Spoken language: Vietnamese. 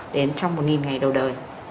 đến trong một ngày đầu đời